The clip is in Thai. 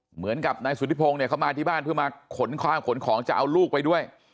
เหมือนกับนายสุธิพงศ์เนี่ยเขามาที่บ้านเพื่อมาขนคว่างขนของจะเอาลูกไปด้วย